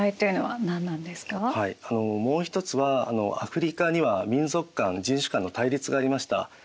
あのもう一つはアフリカには民族間・人種間の対立がありました。